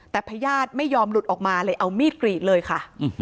แต่พญาติไม่ยอมหลุดออกมาเลยเอามีดกรีดเลยค่ะ